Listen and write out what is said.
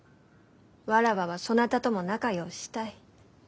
わらわはそなたとも仲良うしたい。